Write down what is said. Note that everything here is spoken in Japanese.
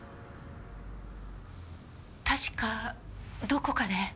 確かどこかで。